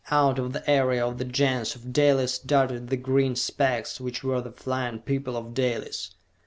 Out of the area of the Gens of Dalis darted the green specks which were the flying people of Dalis!